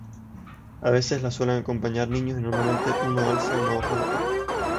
A veces la suelen acompañar niños y normalmente uno alza una hoja de palma.